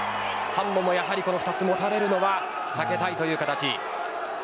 ハンモも２つ持たれるのは避けたいという形。